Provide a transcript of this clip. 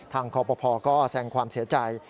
ทางครอบครัวพอก็แสงความเสียใจ